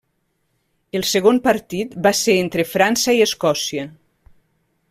El segon partit va ser entre França i Escòcia.